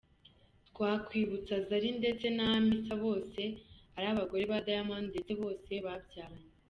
Twakwibutsa Zari ndetse na Hamisa bose ari abagore ba Diamond ndetse bose babyaranye.